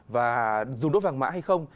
và dùng đốt vàng mã hay không